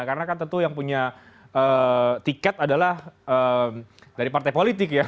karena kan tentu yang punya tiket adalah dari partai politik ya